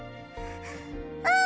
うん！